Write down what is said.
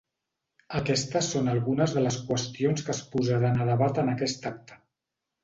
Aquestes són algunes de les qüestions que es posaran a debat en aquest acte.